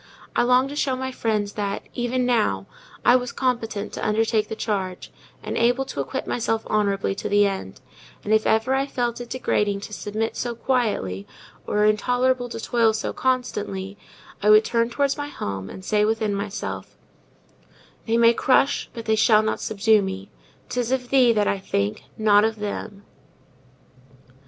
I longed to show my friends that, even now, I was competent to undertake the charge, and able to acquit myself honourably to the end; and if ever I felt it degrading to submit so quietly, or intolerable to toil so constantly, I would turn towards my home, and say within myself— They may crush, but they shall not subdue me! 'Tis of thee that I think, not of them.